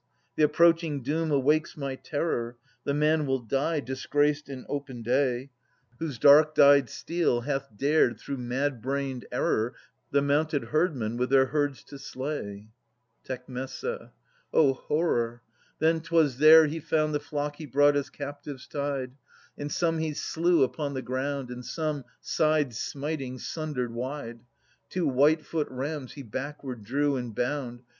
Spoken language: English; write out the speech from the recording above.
the approaching doom awakes my terror. The man will die, disgraced in open day, 62 A ias [230 262 Whose dark dyed steel hath dared through mad brained error The mounted herdmen with their herds to slay. Tec. O horror! Then 'twas there he found The flock he brought as captives tied; And some he slew upon the ground, And some, side smiting, sundered wide. Two white foot rams he backward drew, And bound.